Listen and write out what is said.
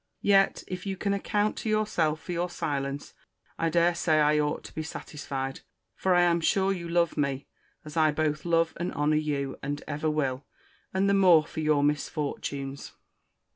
Yet if you can account to yourself for your silence, I dare say I ought to be satisfied; for I am sure you love me: as I both love and honour you, and ever will, and the more for your misfortunes.